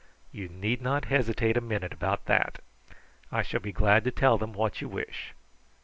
You need not hesitate a minute about that. I shall be glad to tell them what you wish.